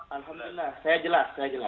alhamdulillah saya jelas